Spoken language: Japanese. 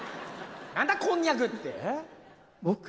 何だこんにゃくって！